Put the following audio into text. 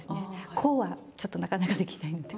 こうはちょっとなかなかできないんで。